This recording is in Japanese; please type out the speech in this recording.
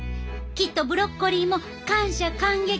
きっとブロッコリーも感謝感激